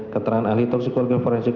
keterangan ahli toksikologi forensik